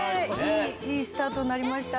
いいスタートになりました。